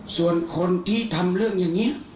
ส่วนคนที่ทำเรื่องอย่างนี้